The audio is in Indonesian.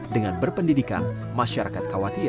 dengan berpendidikan masyarakat khawatir